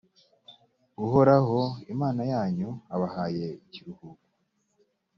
uhoraho, imana yanyu, abahaye ikiruhuko;